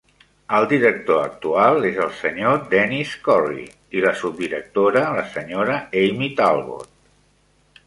El director actual és el Sr. Dennis Corry i la subdirectora la Sra. Amy Talbot.